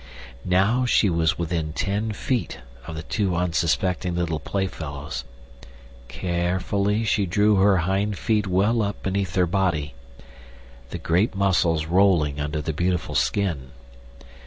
Now she was within ten feet of the two unsuspecting little playfellows—carefully she drew her hind feet well up beneath her body, the great muscles rolling under the beautiful skin.